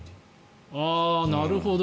なるほど。